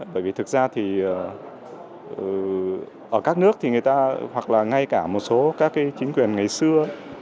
bởi vì thực ra thì ở các nước thì người ta hoặc là ngay cả một số các chính quyền ngày xưa